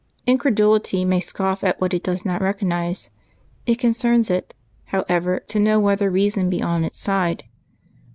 In credulity may scoff at what it does not recognize; it con cerns it, however, to know whether reason be on its side.